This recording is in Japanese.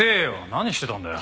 何してたんだよ？